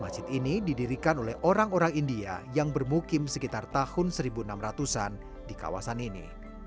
masjid ini didirikan oleh orang orang india yang bermukim sekitar tahun seribu enam ratus an di kawasan ini